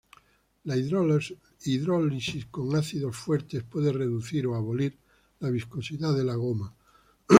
La hidrólisis con ácidos fuertes puede reducir o abolir la viscosidad de la goma.